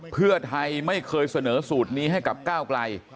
เพื่อไทยไม่เคยเสนอสูตรนี้ให้กับก้าวไกล